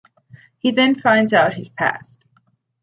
He then finds out his past.